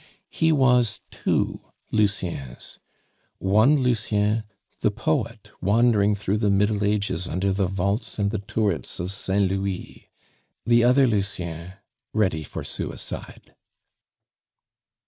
He was two Luciens one Lucien the poet, wandering through the Middle Ages under the vaults and the turrets of Saint Louis, the other Lucien ready for suicide.